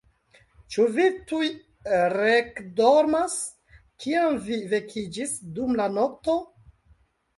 Ĉu vi tuj reekdormas, kiam vi vekiĝis dum la nokto?